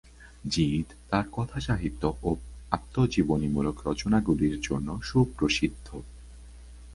জিদ্ তার কথাসাহিত্য ও আত্মজীবনীমূলক রচনাগুলির জন্য সুপ্রসিদ্ধ।